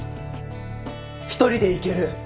一人で行ける。